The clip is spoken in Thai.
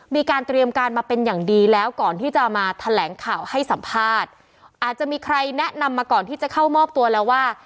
มีการเตรียมการมาเป็นอย่างดีแล้วก่อนที่จะมาแถลงข่าวให้สัมภาษณ์อาจจะมีใครแนะนำมาก่อนที่จะเข้ามอบตัวแล้วว่า